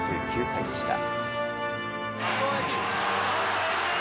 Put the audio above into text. ７９歳でした。